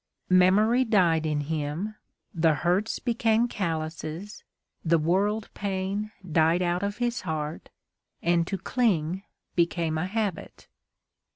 Memory died in him, the hurts became callouses, the world pain died out of his heart, and to cling became a habit.